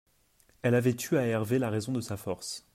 Elle avait tu à Hervé la raison de sa force.